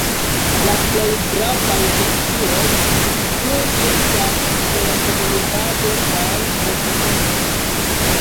La plej gravaj sekcioj nun estas telekomunikado kaj komputiko.